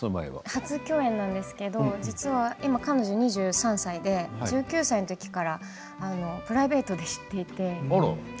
初共演なんですが彼女は今２３歳で１９歳のときからプライベートで知っていて。